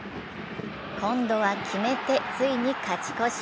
今度は決めて、ついに勝ち越し。